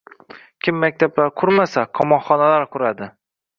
Kim maktablar qurmasa qamoqxonalar quradi